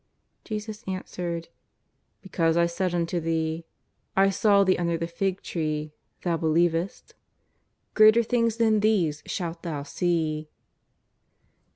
Jesus answered :" Because I said unto Thee : I saw thee under the fig tree thou believest? greater things than these shalt thou see."